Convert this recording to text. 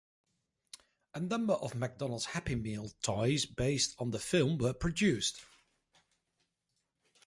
A number of McDonald's Happy Meal toys based on the film were produced.